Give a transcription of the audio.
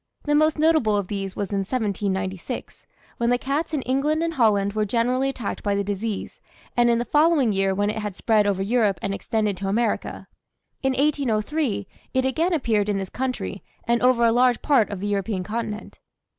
The most notable of these was in 1796, when the cats in England and Holland were generally attacked by the disease, and in the following year when it had spread over Europe and extended to America; in 1803, it again appeared in this country and over a large part of the European continent.